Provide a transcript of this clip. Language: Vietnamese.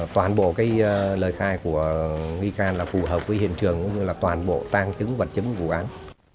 toàn bộ lời khai của nghi can phù hợp với hiện trường toàn bộ tăng chứng và chứng của vụ án